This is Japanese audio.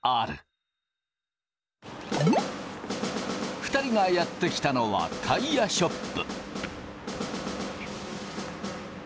２人がやって来たのはタイヤショップ。